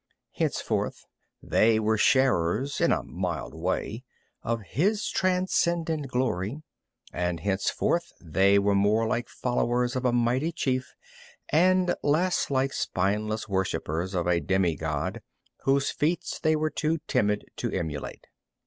Henceforth they were sharers, in a mild way, of his transcendent glory, and henceforth they were more like followers of a mighty chief and less like spineless worshipers of a demigod whose feats they were too timid to emulate.